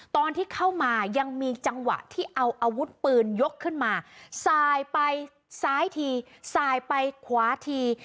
ตอนที่เข้ามายังมีจังหวะที่เอาอาวุธปืนยกขึ้นมาสายไปซ้ายทีสายไปขวาที